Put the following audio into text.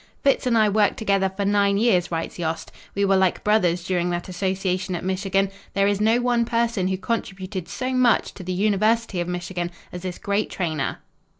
"Fitz and I worked together for nine years," writes Yost. "We were like brothers during that association at Michigan. There is no one person who contributed so much to the University of Michigan as this great trainer.